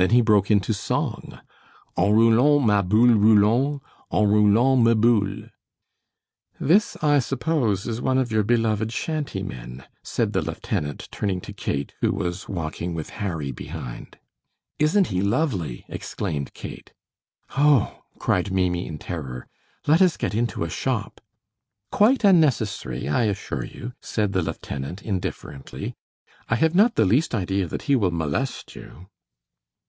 Then he broke into song: "En roulant ma boule roulant, En roulant me boule." "This, I suppose, is one of your beloved shantymen," said the lieutenant, turning to Kate, who was walking with Harry behind. "Isn't he lovely!" exclaimed Kate. "Oh," cried Maimie, in terror, "let us get into a shop!" "Quite unnecessary, I assure you," said the lieutenant, indifferently; "I have not the least idea that he will molest you."